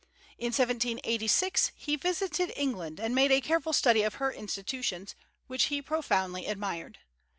In 1786 he visited England and made a careful study of her institutions, which he profoundly admired.